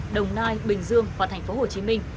đồng nai bình dương và thành phố hồ chí minh